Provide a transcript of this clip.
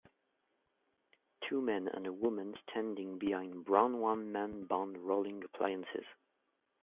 Two men and a woman standing behind brown one man band rolling appliances